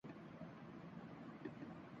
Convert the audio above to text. ہمارے گھر کے عین سامنے شفیع کا کٹڑہ ہے۔